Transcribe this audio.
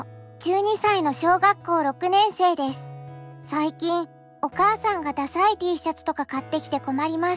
最近お母さんがダサいＴシャツとか買ってきて困ります。